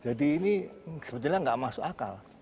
ini sebetulnya nggak masuk akal